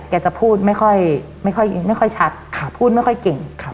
จะพูดไม่ค่อยชัดพูดไม่ค่อยเก่ง